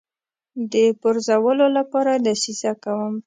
د پرزولو لپاره دسیسه کوم.